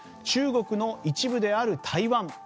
中国の一部である台湾。